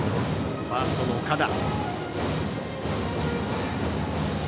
ファーストの岡田。